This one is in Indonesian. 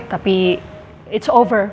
tapi sudah selesai